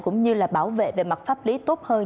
cũng như là bảo vệ về mặt pháp lý tốt hơn